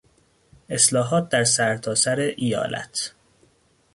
اصلاحات در سرتاسر ایالت